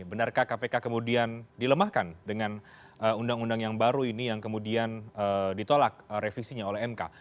benarkah kpk kemudian dilemahkan dengan undang undang yang baru ini yang kemudian ditolak revisinya oleh mk